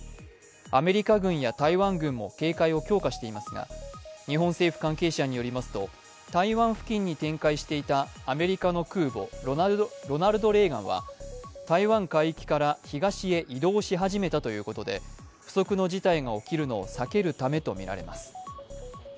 アメリカ軍や台湾軍も警戒を強化していますが日本政府関係者によりますと、台湾付近に展開していたアメリカの空母「ロナルド・レーガン」は台湾海域から東へ移動し始めたということで不測の事態が起きるのを避けるためとみられます。